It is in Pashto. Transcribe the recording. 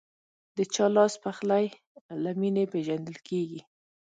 د چا لاسپخلی له مینې پیژندل کېږي.